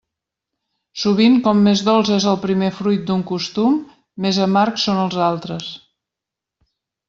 Sovint com més dolç és el primer fruit d'un costum més amargs són els altres.